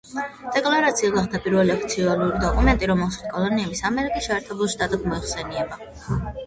დეკლარაცია გახდა პირველი ოფიციალური დოკუმენტი, რომელშიც კოლონიები „ამერიკის შეერთებულ შტატებად“ მოიხსენიება.